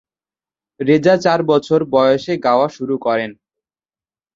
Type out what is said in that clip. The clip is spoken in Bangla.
রেজা চার বছর বয়সে গাওয়া শুরু করেন।